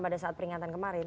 pada saat peringatan kemarin